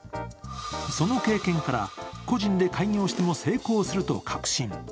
その経験から個人で開業しても成功すると確信。